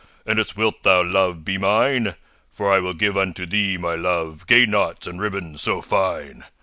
And it's wilt thou, love, be mine? For I will give unto thee, my love, Gay knots and ribbons so fine.